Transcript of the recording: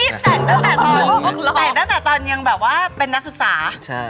แต่ตั้งแต่ตอนยังแบบว่าเป็นนักศึกษา